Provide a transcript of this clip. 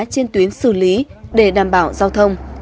trên tuyến xử lý để đảm bảo giao thông